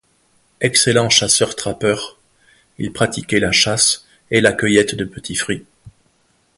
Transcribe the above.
Excellents chasseurs-trappeurs, ils pratiquaient la pêche et la cueillette de petits fruits.